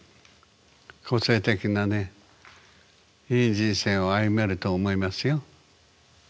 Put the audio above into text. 個性的なねいい人生を歩めると思いますよ。